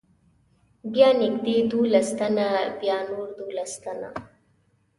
بیا نږدې دولس تنه، بیا نور دولس تنه.